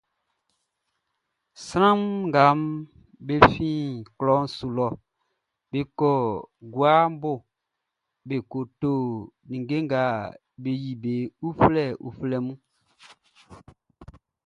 Sran nga be fin klɔʼn su lɔʼn, be kɔ guabo lɔ be ko to ninnge nga be yili be uflɛuflɛʼn.